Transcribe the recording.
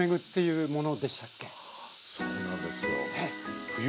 はそうなんですよ。